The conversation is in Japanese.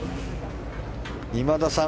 今田さん